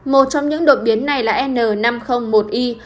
một trong những đột biến này là n năm trăm linh một i